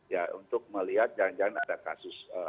ya untuk melihat jangan jangan ada kasus